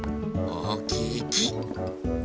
おおきいき。